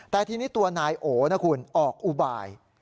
แต่ทีนี้ตัวนายโอนะคุณออกอุบาย